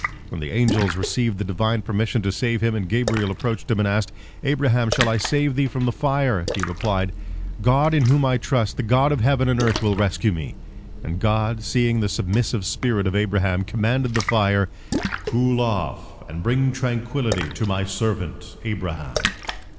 When the angels received the Divine permission to save him, and Gabriel approached him, and asked, "Abraham, shall I save thee from the fire?" he replied, "God in whom I trust, the God of heaven and earth, will rescue me," and God, seeing the submissive spirit of Abraham, commanded the fire, "Cool off and bring tranquillity to my servant Abraham."